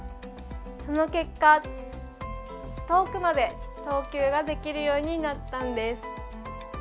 その結果遠くまで投球ができるようになったんです。